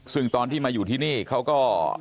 ซึ่งตอนที่มาอยู่ที่นี่เขาก็